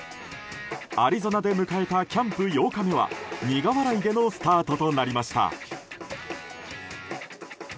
アリゾナで迎えたキャンプ８日目は、苦笑いでのスタートとなりました。